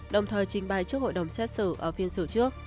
đồng thời trình bày trước hội đồng xét xử ở phiên sửa trước